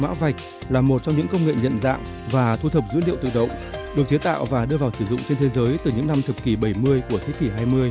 mã vạch là một trong những công nghệ nhận dạng và thu thập dữ liệu tự động được chế tạo và đưa vào sử dụng trên thế giới từ những năm thập kỷ bảy mươi của thế kỷ hai mươi